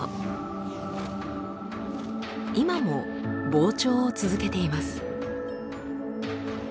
今も膨張を続けています。